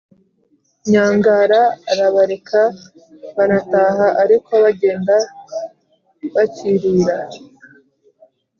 nyangara arabareka banataha ariko bagenda bakirira